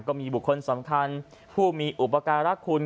ก็มีบุคคลสำคัญผู้มีอุปการรักคุณ